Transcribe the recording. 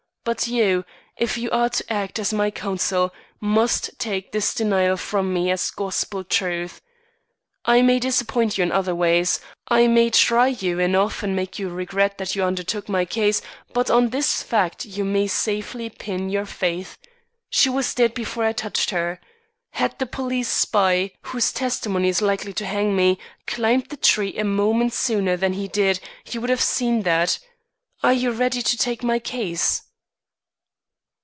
But you if you are to act as my counsel must take this denial from me as gospel truth. I may disappoint you in other ways. I may try you and often make you regret that you undertook my case, but on this fact you may safely pin your faith. She was dead before I touched her. Had the police spy whose testimony is likely to hang me, climbed the tree a moment sooner than he did, he would have seen that. Are you ready to take my case?"